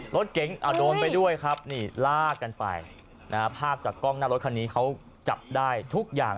รถเก๋งโดนไปด้วยครับนี่ลากกันไปนะฮะภาพจากกล้องหน้ารถคันนี้เขาจับได้ทุกอย่าง